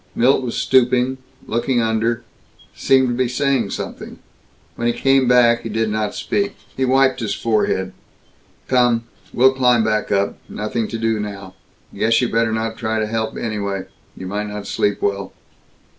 Milt was stooping, looking under; seemed to be saying something. When he came back, he did not speak. He wiped his forehead. "Come. We'll climb back up. Nothing to do, now. Guess you better not try to help, anyway. You might not sleep well."